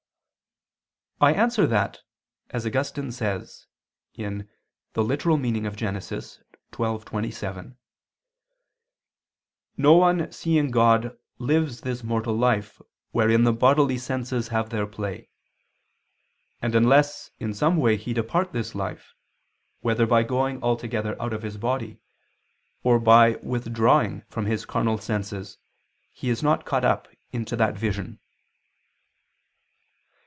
I answer that, As Augustine says (Gen. ad lit. xii, 27), "no one seeing God lives this mortal life wherein the bodily senses have their play: and unless in some way he depart this life, whether by going altogether out of his body, or by withdrawing from his carnal senses, he is not caught up into that vision."